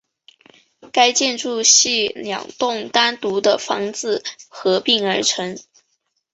该建筑系两栋单独的房子合并而成。